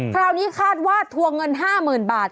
คราวนี้คาดว่าทวงเงิน๕หมื่นบาท